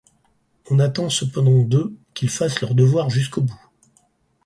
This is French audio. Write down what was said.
On attend cependant d'eux qu'ils fassent leur devoir jusqu'au bout.